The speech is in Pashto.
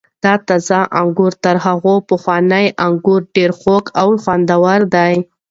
دا تازه انګور تر هغو پخوانیو انګور ډېر خوږ او خوندور دي.